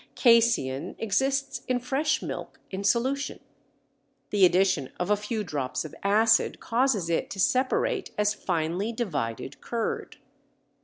Casein exists in fresh milk in solution. The addition of a few drops of acid causes it to separate as finely divided curd.